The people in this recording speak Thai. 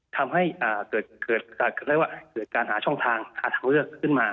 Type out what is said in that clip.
ทำให้เกิดการหาช่องทางหาทางเลือกขึ้นมา